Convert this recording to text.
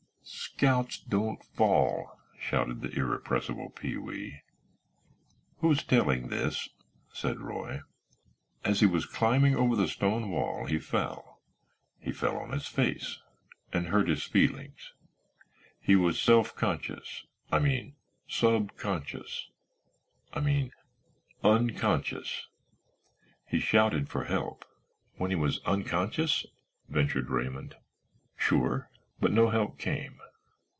"Scouts don't fall," shouted the irrepressible Pee wee. "Who's telling this?" said Roy. "As he was climbing over the stone wall he fell. He fell on his face—and hurt his feelings. He was self conscious—I mean sub conscious—I mean unconscious. He shouted for help." "When he was unconscious?" ventured Raymond. "Sure. But no help came.